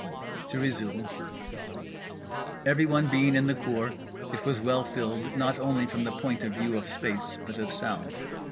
To resume: everyone being in the cour, it was well filled, not only from the point of view of space but of sound.